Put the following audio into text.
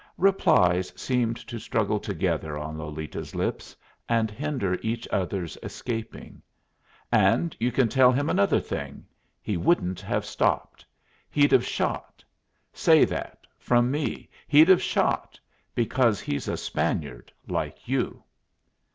Replies seemed to struggle together on Lolita's lips and hinder each other's escaping. "And you can tell him another thing. He wouldn't have stopped. He'd have shot. Say that. From me. He'd have shot, because he's a Spaniard, like you."